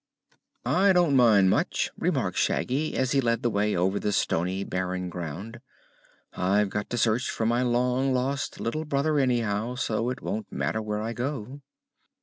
"I don't mind, much," remarked Shaggy, as he led the way over the stony, barren ground. "I've got to search for my long lost little brother, anyhow, so it won't matter where I go."